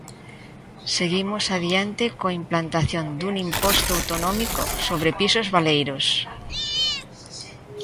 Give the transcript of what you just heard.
Seguimos adiante coa implantación dun imposto autonómico sobre pisos baleiros.